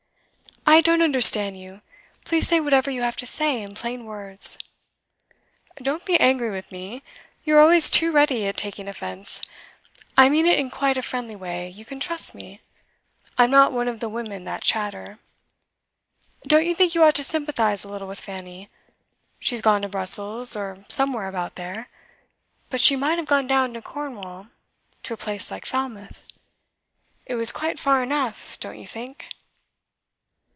'I don't understand you. Please say whatever you have to say in plain words.' 'Don't be angry with me. You were always too ready at taking offence. I mean it in quite a friendly way; you can trust me; I'm not one of the women that chatter. Don't you think you ought to sympathise a little with Fanny? She has gone to Brussels, or somewhere about there. But she might have gone down into Cornwall to a place like Falmouth. It was quite far enough off don't you think?